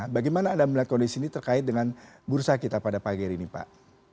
bagaimana anda melihat kondisi ini terkait dengan bursa kita pada pagi hari ini pak